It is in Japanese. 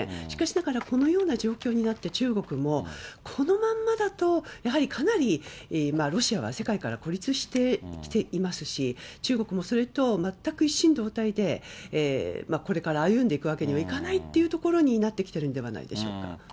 しかしながら、このような状況になって中国も、このまんまだと、やはりかなり、ロシアは世界から孤立してきていますし、中国もそれと全く一心同体で、これから歩んでいくわけにはいかないっていうところになってきてるんではないでしょうか。